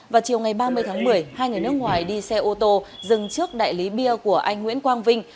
vào chiều ngày ba mươi tháng một mươi hai người nước ngoài đi xe ô tô dừng trước đại lý bia của anh nguyễn quang vinh